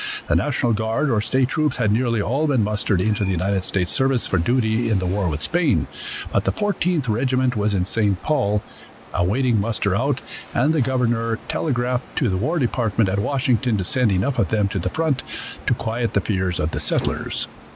The national guard or state troops had nearly all been mustered into the United States service for duty in the war with Spain, but the Fourteenth Regiment was in St. Paul, awaiting muster out, and the governor telegraphed to the war department at Washington to send enough of them to the front to quiet the fears of the settlers.